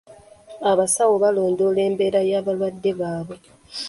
Abasawo balondoola embeera y'abalwadde baabwe.